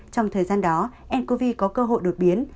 trong thời gian đó ncov có cơ hội đột biến